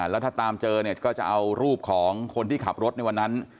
แล้วถ้าตามเจอเนี่ยก็จะเอารูปของคนที่ขับรถในวันนั้น